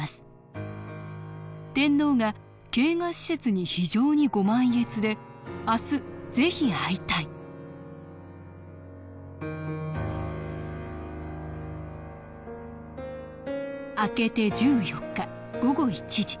「天皇が慶賀使節に非常にご満悦で明日ぜひ会いたい」明けて１４日午後１時。